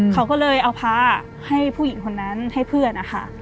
เขาก็เลยเอาพาให้ผู้หญิงคนนั้นให้เพื่อนนะคะ